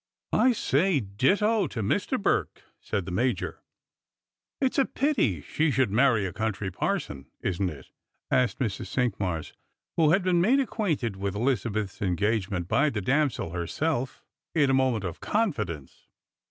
" I say ditto to Mr. Burke," said the Major. "It's a i^ity she should marry a country parson, isn't it^ " asked Mrs. Cinqmars, who had been made acquainted with Elizabeth's engagement by the damsel herself, in a moment of confidence.